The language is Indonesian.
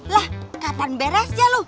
lah kapan beres ya lu